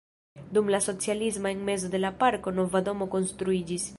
Dum la socialismo en mezo de la parko nova domo konstruiĝis.